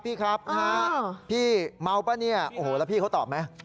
พี่เมาปะเนี่ยโอ้โหแล้วพี่เขาตอบไหม